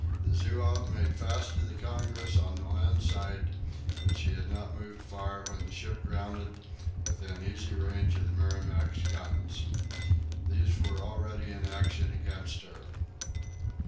The "Zouave" made fast to the "Congress" on the land side, but she had not moved far when the ship grounded within easy range of the "Merrimac's" guns. These were already in action against her.